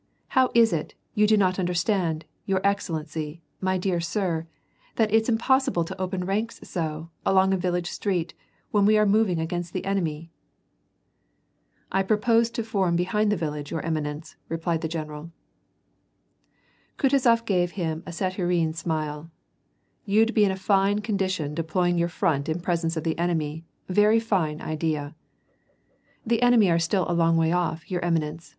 *'How is it, you do not understand, your excellency, my dear sir/ that it's impossible to open i*anks so, along a village street, when we are moving against the enemy." ^I proposed to form behind the village, your eminence," replied the general. Kutuzof gave him a saturnine smile, '^ You'd be in a fine condition, deploying your front in presence of the enemy ; very fine idea !"'' The enemy are still a long way off, your eminence.